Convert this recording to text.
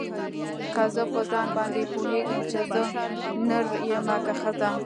که زه په ځان باندې پوهېږم چې زه نر يمه که ښځه.